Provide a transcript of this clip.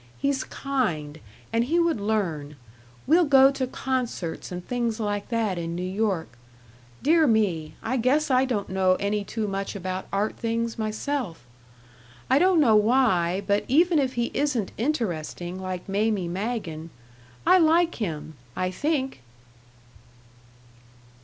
He's kind; and he would learn. We'll go to concerts and things like that in New York dear me, I guess I don't know any too much about art things myself. I don't know why, but even if he isn't interesting, like Mamie Magen, I like him I think!"